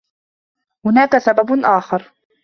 هناك سبب آخر.